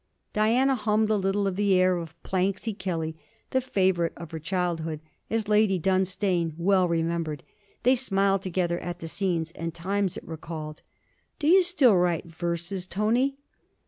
Diana hummed a little of the air of Planxty Kelly, the favourite of her childhood, as Lady Dunstane well remembered, they smiled together at the scenes and times it recalled. 'Do you still write verses, Tony?'